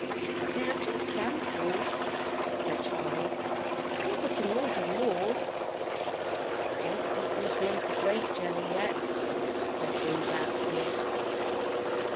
"They are just samples," said Charley. "People can order more." "I don't think we've made the grape jelly yet," said Jim doubtfully.